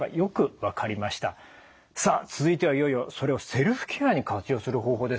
さあ続いてはいよいよそれをセルフケアに活用する方法ですね。